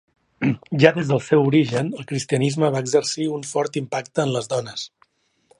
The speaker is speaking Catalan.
Ja des del seu origen el cristianisme va exercir un fort impacte en les dones.